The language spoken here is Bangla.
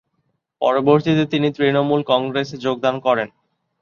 পরবর্তীতে, তিনি তৃণমূল কংগ্রেসে যোগদান করেন।